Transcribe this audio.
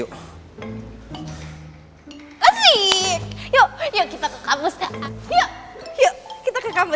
yuk yuk yuk yuk yuk yuk